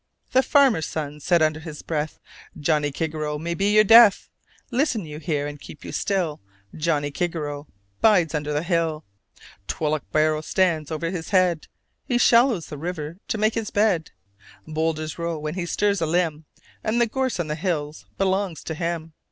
The farmer's son said under his breath, "Johnnie Kigarrow may be your death Listen you here, and keep you still Johnnie Kigarrow bides under the hill; Twloch barrow stands over his head; He shallows the river to make his bed; Bowlders roll when he stirs a limb; And the gorse on the hills belongs to him!